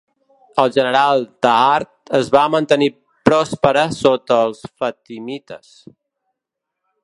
En general Tahart es va mantenir pròspera sota els fatimites.